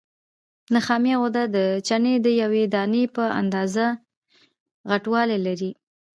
نخامیه غده د چڼې د یوې دانې په اندازه غټوالی لري.